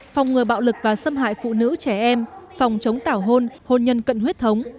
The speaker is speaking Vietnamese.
phòng ngừa bạo lực và xâm hại phụ nữ trẻ em phòng chống tảo hôn hôn nhân cận huyết thống